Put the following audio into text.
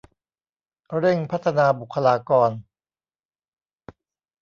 เร่งพัฒนาบุคลากร